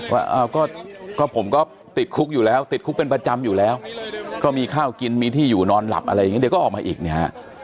ว่าก็ผมก็ติดคุกอยู่แล้วติดคุกเป็นประจำอยู่แล้วก็มีข้าวกินมีที่อยู่นอนหลับอะไรอย่างนี้เดี๋ยวก็ออกมาอีกเนี่ยฮะ